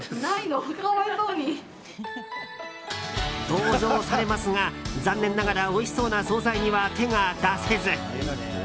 同情されますが残念ながらおいしそうな総菜には手が出せず。